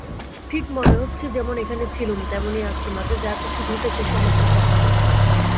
ঠিক মনে হচ্ছে যেমন এখানে ছিলুম তেমনি আছি– মাঝে যা-কিছু ঘটেছে সমস্ত স্বপ্ন।